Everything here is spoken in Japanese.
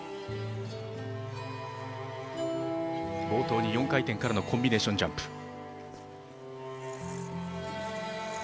冒頭に４回転からのコンビネーションジャンプ。